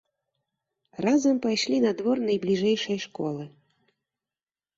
Разам пайшлі на двор найбліжэйшай школы.